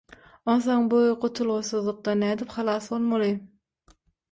Onsoň bu gutulgysyzlykdan nädip halas bolmaly?